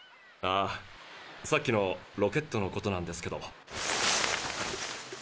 ああさっきのロケットのことなんですけど。